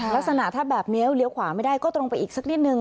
ลักษณะถ้าแบบเลี้ยวขวาไม่ได้ก็ตรงไปอีกสักนิดนึง